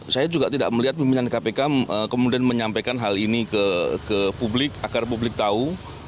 saya juga tidak melihat pimpinan kpk kemudian menyampaikan hal ini ke publik agar publik tahu